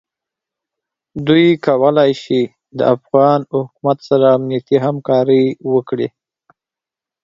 دوی کولای شي د افغان حکومت سره امنیتي همکاري وکړي.